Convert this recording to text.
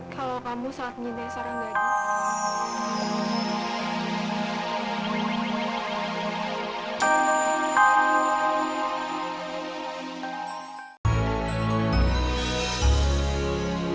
kalau kamu sangat mengintai seorang gadis